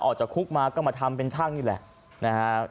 ออกจากคุกมาก็มาทำเป็นช่างนี่แหละนะฮะ